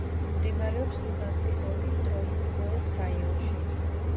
მდებარეობს ლუგანსკის ოლქის ტროიცკოეს რაიონში.